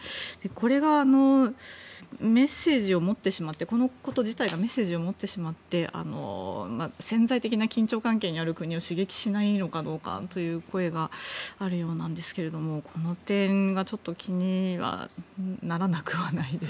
これがメッセージを持ってしまってこのこと自体がメッセージを持ってしまって潜在的な緊張関係にある国を刺激しないのかという声があるようなんですけどもこの点がちょっと気にはならなくはないです。